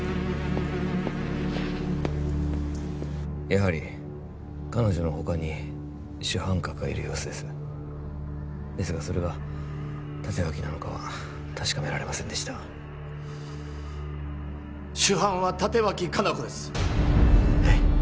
やはり彼女の他に主犯格がいる様子ですですがそれが立脇なのかは確かめられませんでした主犯は立脇香菜子ですえっ？